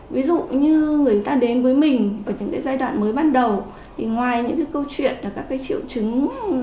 ví dụ như người ta đến với mình ở những giai đoạn mới ban đầu thì ngoài những câu chuyện và các triệu chứng